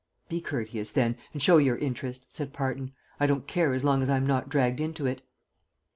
"Be courteous, then, and show your interest," said Parton. "I don't care as long as I am not dragged into it."